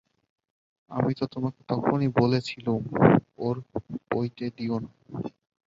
আমি তো তোমাকে তখনই বলেছিলুম, ওর পইতে দিয়ো না।